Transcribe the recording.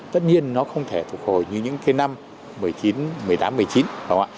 tất nhiên nó không thể phục hồi như những cái năm một mươi chín một mươi tám một mươi chín đúng không ạ